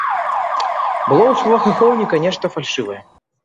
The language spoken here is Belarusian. Было ў словах ахоўніка нешта фальшывае.